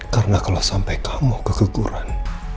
karena kalau sampai kamu kegeguran